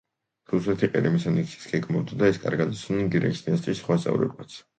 რუსეთი ყირიმის ანექსიას გეგმავდა და ეს კარგად იცოდნენ გირეის დინასტიის წევრებმაც.